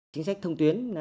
chính sách thông tuyến